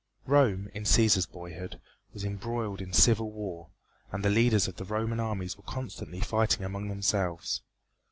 Rome, in Cæsar's boyhood, was embroiled in civil war, and the leaders of the Roman armies were constantly fighting among themselves.